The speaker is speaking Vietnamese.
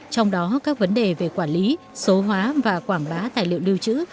trong đó các vấn đề về quản lý số hóa và quảng bá tài liệu lưu trữ